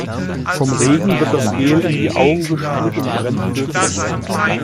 Vom Regen wird das Gel in die Augen gespült und brennt fürchterlich.